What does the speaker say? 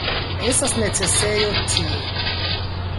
Estas necesejo tie